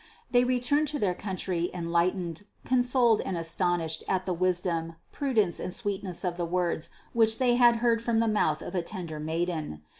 They returned to their country en lightened, consoled and astonished at the wisdom, pru dence and sweetness of the words which they had heard from the mouth of a tender Maiden.